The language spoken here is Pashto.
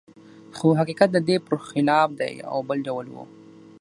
خو حقیقت د دې پرخلاف دی او بل ډول و